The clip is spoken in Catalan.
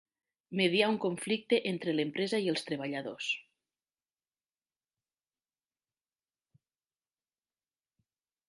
Mediar un conflicte entre l'empresa i els treballadors.